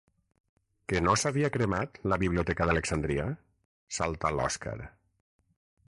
Que no s'havia cremat, la Biblioteca d'Alexandria? —salta l'Òskar.